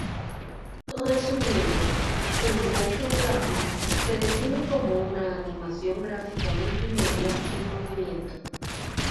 Resumiendo, un "motion graphic" se define como una animación gráfica multimedia en movimiento.